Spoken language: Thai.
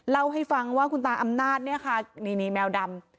เล่าให้ฟังว่าคุณตาอำนาจเนี่ยค่ะนี่แมวดำ